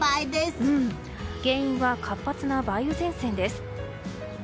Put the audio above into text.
原因は、活発な梅雨前線です。